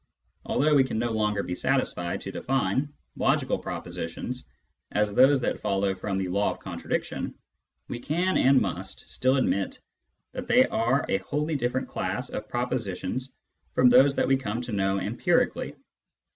Although we can no longer be satisfied to define logical propositions as those that follow from the law of contradiction, we can and must still admit that they are a wholly different class of propositions from those that we come to know empirically.